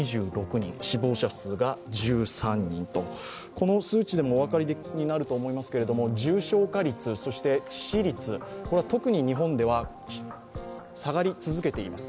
この数値でもお分かりになると思いますけれども重症化率、そして致死率、これは特に日本では下がり続けています。